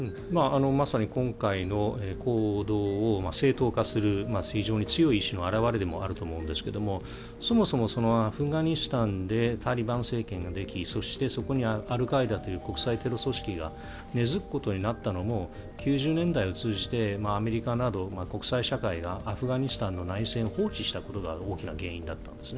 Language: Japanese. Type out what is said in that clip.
まさに今回の行動を正当化する非常に強い意思の表れでもあると思うんですがそもそもアフガニスタンでタリバン政権ができそこにアルカイダという国際テロ組織が根付くことになったのも１９９０年代を通じてアメリカなど、国際社会がアフガニスタンの内戦を放置したことが大きな原因だったんです。